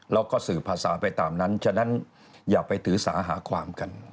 แล้วก็สื่อภาษาไปตามนั้นฉะนั้นอย่าไปถือสาหาความกัน